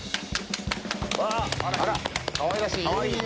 あら、かわいらしい。